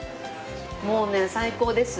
もうね最高です。